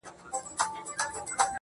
اوس لا د گرانښت څو ټكي پـاتــه دي~